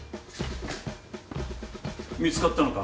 見つかったのか？